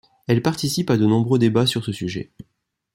Elle participe à de nombreux débats sur ce sujet.